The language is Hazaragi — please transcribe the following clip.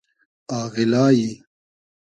آغیلای